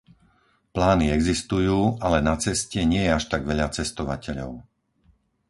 Plány existujú, ale na ceste nie je až tak veľa cestovateľov.